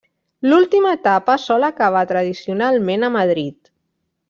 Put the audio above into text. L'última etapa sol acabar tradicionalment a Madrid.